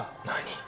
何！？